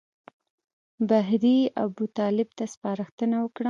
بهیري ابوطالب ته سپارښتنه وکړه.